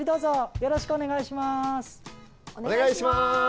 よろしくお願いします。